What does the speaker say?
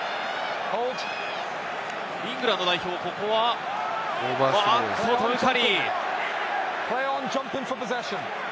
イングランド代表、ここはトム・カリー。